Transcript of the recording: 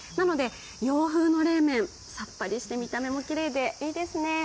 洋風の冷麺、さっぱりして見た目もきれいで、いいですね。